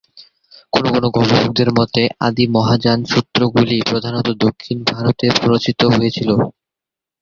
কোনো কোনো গবেষকদের মতে, আদি মহাযান সূত্রগুলি প্রধানত দক্ষিণ ভারতে রচিত হয়েছিল।